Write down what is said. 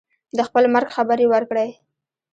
د خپل مرګ خبر یې ورکړی.